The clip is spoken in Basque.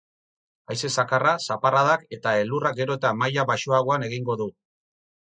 Haize zakarra, zaparradak eta elurra gero eta maila baxuagoan egingo du.